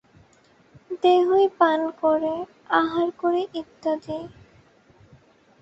দেহই পান করে, আহার করে ইত্যাদি।